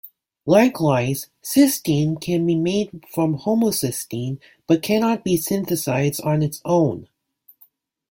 Likewise, cysteine can be made from homocysteine but cannot be synthesized on its own.